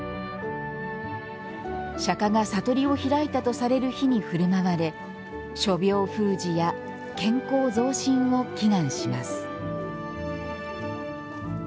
釈迦が悟りを開いたとされる日にふるまわれ諸病封じや健康増進を祈願します。